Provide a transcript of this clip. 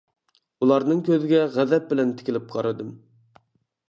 ئۇلارنىڭ كۆزىگە غەزەپ بىلەن تىكىلىپ قارىدىم.